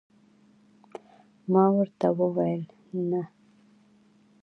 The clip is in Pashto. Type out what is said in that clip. ما ورته وویل: نه.